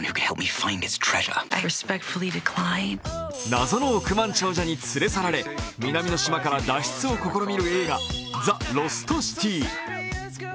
謎の億万長者に連れ去られ南の島から脱出を試みる映画「ザ・ロストシティ」。